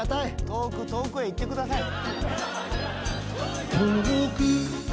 遠く遠くへ行ってください。